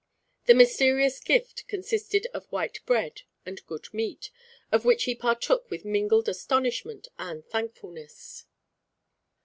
The mysterious gift consisted of white bread and good meat, of which he partook with mingled astonishment and thankfulness.